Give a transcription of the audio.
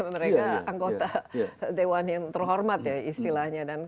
mereka anggota dewan yang terhormat ya istilahnya